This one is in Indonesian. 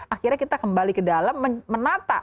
akhirnya kita kembali ke dalam menata